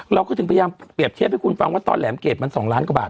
เราก็ถึงพยายามเปรียบเทียบให้คุณฟังว่าตอนแหลมเกรดมัน๒ล้านกว่าบาท